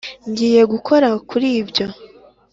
ngiye gukora kuri ibyo